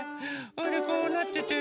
それでこうなってて。